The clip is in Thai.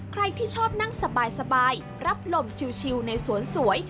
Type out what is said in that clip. ใครที่ชอบนั่งสบายรับลมชิลในสวนสวย